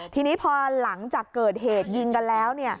ทีนี้พอหลังจากเกิดเหตุยิงกันแล้ว